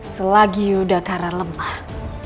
selagi yudhakara lemah